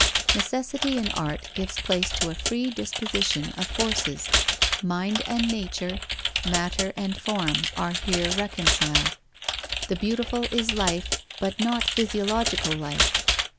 Necessity in art gives place to a free disposition of forces; mind and nature, matter and form are here reconciled. The beautiful is life, but not physiological life.